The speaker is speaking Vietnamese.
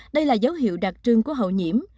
đây là dấu hiệu đặc trưng của hậu nhiễm